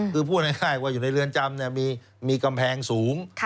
คือพูดง่ายว่าอยู่ในเรือนจำมีกำแพงสูง